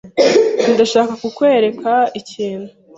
Ndashaka kukwereka ikintu, .